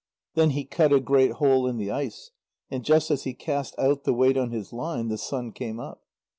Then he cut a great hole in the ice, and just as he cast out the weight on his line, the sun came up.